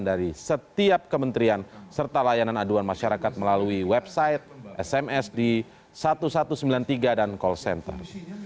dari setiap kementerian serta layanan aduan masyarakat melalui website smsd seribu satu ratus sembilan puluh tiga dan call center